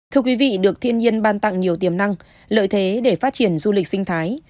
thưa quý vị được thiên nhiên ban tặng nhiều tiềm năng lợi thế để phát triển du lịch sinh thái